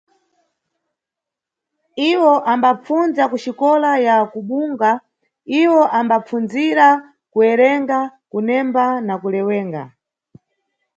Iwo ambapfundza kuxikola ya kuBunga, iwo ambapfundzira kuwerenga, kunemba na kulewenga.